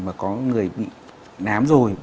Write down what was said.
mà có người bị nám rồi